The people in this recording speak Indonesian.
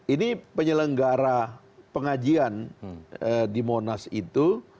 ini penyelenggara pengajian di monas itu